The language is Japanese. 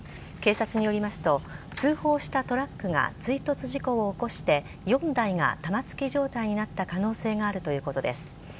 警察によりますと通報したトラックが追突事故を起こして４台が玉突き状態になった可能性があるということです。